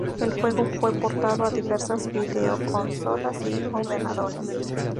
El juego fue portado a diversas videoconsolas y ordenadores.